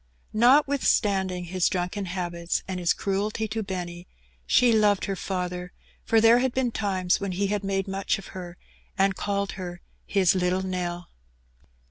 Notwithstanding his drunken habits and his cruelty to Benny, she loved her father, for there had been times when he had made much of her, and called her "his little Nell."